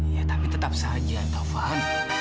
ya tapi tetap saja taufan